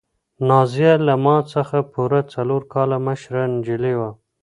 نازیه له ما څخه پوره څلور کاله مشره نجلۍ وه.